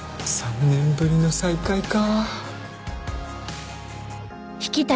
３年ぶりの再会か。